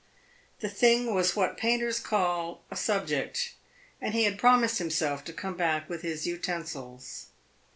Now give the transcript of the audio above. The thing was what painters call a subject, and he had promised himself to come back with his utensils.